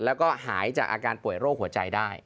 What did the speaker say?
แล้วก็หายจากอาการป่วยโรคหัวใจได้